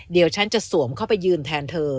เดี๋ยวฉันจะสวมเข้าไปยืนแทนเธอ